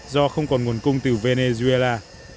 do không còn nguồn cung từ venezuela